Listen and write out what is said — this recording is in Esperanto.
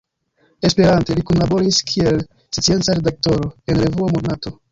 Esperante, li kunlaboris kiel scienca redaktoro en revuo Monato.